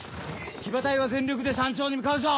騎馬隊は全力で山頂に向かうぞ！